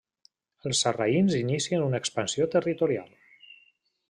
Els sarraïns inicien una expansió territorial.